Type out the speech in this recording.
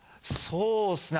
そうっすね